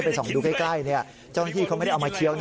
ส่องดูใกล้เจ้าหน้าที่เขาไม่ได้เอามาเคี้ยวนะ